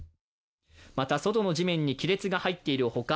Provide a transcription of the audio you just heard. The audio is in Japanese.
また、外の地面に亀裂が入っているほか